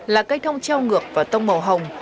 là cây thông treo ngược và tông màu hồng